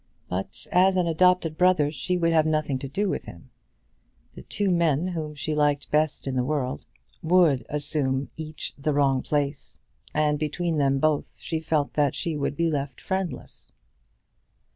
But as an adopted brother she would have nothing to do with him. The two men whom she liked best in the world would assume each the wrong place; and between them both she felt that she would be left friendless.